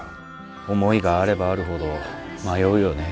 思いがあればあるほど迷うよね。